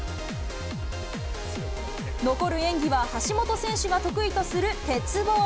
残る演技は橋本選手が得意とする鉄棒。